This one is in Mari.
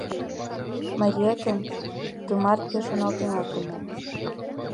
— Мариетым тымарте шоналтенат омыл.